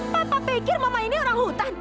papa pikir mama ini orang hutan